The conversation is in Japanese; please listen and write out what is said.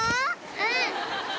うん。